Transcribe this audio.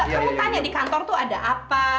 kamu tanya di kantor tuh ada apa